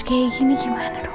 kayak gini gimana tuh